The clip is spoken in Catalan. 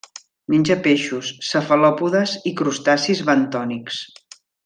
Menja peixos, cefalòpodes i crustacis bentònics.